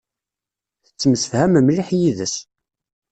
Tettemsefham mliḥ yid-s.